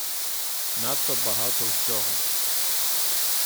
Надто багато всього.